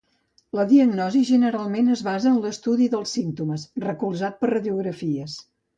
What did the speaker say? La diagnosi generalment es basa en l'estudi dels símptomes, recolzat per Radiografies.